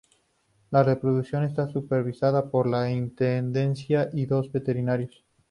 La reproducción está supervisada por la Intendencia y dos veterinarios.